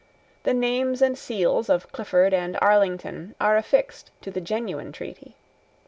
The names and seals of Clifford and Arlington are affixed to the genuine treaty.